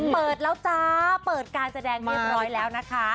เปิดแล้วจ้าเปิดการแสดงเรียบร้อยแล้วนะคะ